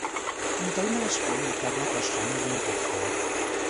Mintegy másfél méter magasra növő bokor.